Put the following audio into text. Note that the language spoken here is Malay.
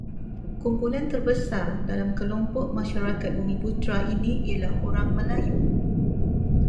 Kumpulan terbesar dalam kelompok masyarakat bumiputera ini ialah orang Melayu.